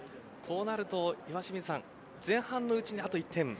こうなると岩清水さん前半のうちにあと１点。